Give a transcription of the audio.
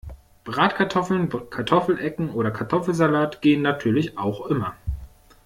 Bratkartoffeln, Kartoffelecken oder Kartoffelsalat gehen natürlich auch immer.